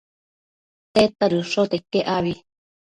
tedta dëshote iquec abi?